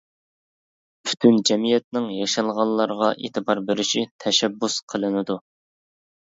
پۈتۈن جەمئىيەتنىڭ ياشانغانلارغا ئېتىبار بېرىشى تەشەببۇس قىلىنىدۇ.